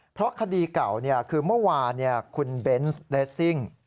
เพราะคดีเก่าคือเมื่อวานคุณเบนส์เรสซิ่ง